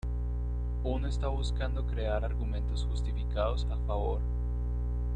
Uno está buscando crear argumentos justificados a favor.